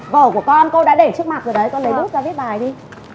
vổ của con cô đã để trước mặt rồi đấy con lấy bút ra viết bài đi